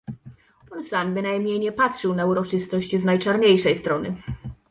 On sam bynajmniej nie patrzył na uroczystość z najczarniejszej strony.